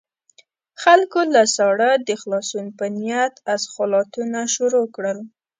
خلکو له ساړه د خلاصون په نيت اسخولاتونه شروع کړل.